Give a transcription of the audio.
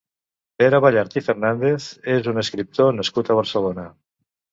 Pere Ballart i Fernández és un escriptor nascut a Barcelona.